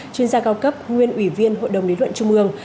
chuyên gia cao cấp nguyên ủy viên hội đồng lý luận trung ương